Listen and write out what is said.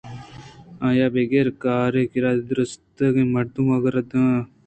آئی ءِ پرے کارءَ کِرّئے درٛستیں مردم آ گَرّ اِتنت